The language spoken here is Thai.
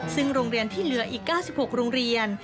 ซึ่งโรงเรียนที่เหลืออีก๙๖โรงเรียน